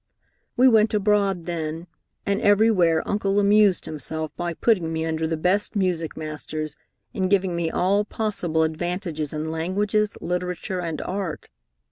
"We went abroad then, and everywhere Uncle amused himself by putting me under the best music masters, and giving me all possible advantages in languages, literature, and art.